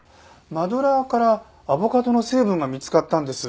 マドラーからアボカドの成分が見つかったんです。